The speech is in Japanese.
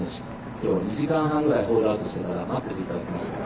今日、２時間半ぐらいホールアウトしてから待っていていただきました。